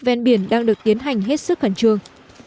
ven biển đang được tiến hành hết sức khẩn trương